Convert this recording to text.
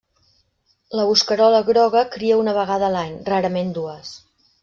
La bosquerola groga cria una vegada l'any, rarament dues.